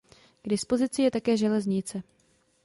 K dispozici je také železnice.